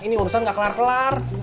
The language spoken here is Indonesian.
ini urusan gak kelar kelar